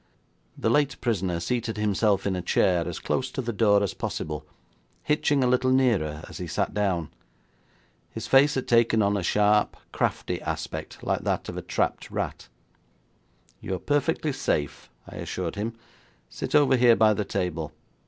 The late prisoner seated himself in a chair as close to the door as possible, hitching a little nearer as he sat down. His face had taken on a sharp, crafty aspect like that of a trapped rat. 'You are perfectly safe,' I assured him. 'Sit over here by the table.